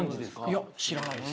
いや知らないです。